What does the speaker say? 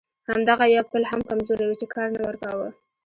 همدغه یو پل هم کمزوری و چې کار نه ورکاوه.